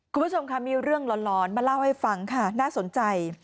คุณผู้ชมค่ะมีเรื่องร้อนมาเล่าให้ฟังค่ะน่าสนใจ